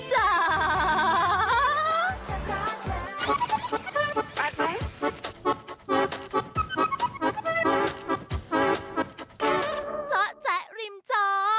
จ๊ะจ๊ะริมจ๋อ